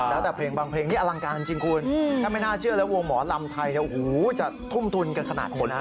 แล้วแต่เพลงบางเพลงนี้อลังการจริงคุณถ้าไม่น่าเชื่อแล้ววงหมอลำไทยจะทุ่มทุนกันขนาดไหน